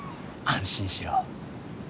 安心しろ。